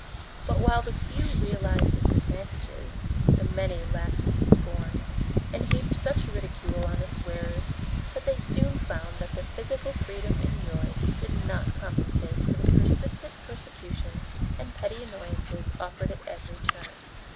But, while the few realized its advantages, the many laughed it to scorn, and heaped such ridicule on its wearers that they soon found that the physical freedom enjoyed did not compensate for the persistent persecution and petty annoyances suffered at every turn.